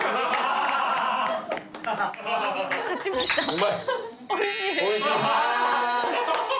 うまい？